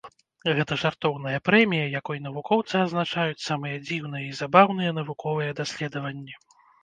Гэта жартоўная прэмія, якой навукоўцы адзначаюць самыя дзіўныя і забаўныя навуковыя даследаванні.